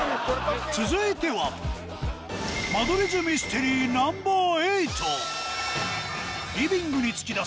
続いては間取り図ミステリーナンバー８